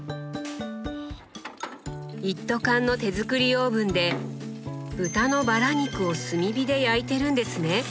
一斗缶の手作りオーブンで豚のバラ肉を炭火で焼いてるんですね！